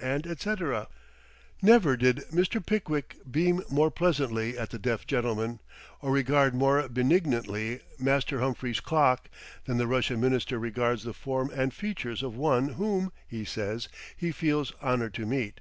Never did Mr. Pickwick beam more pleasantly at the deaf gentleman, or regard more benignantly Master Humphrey's clock, than the Russian Minister regards the form and features of one whom, he says, he feels "honored to meet."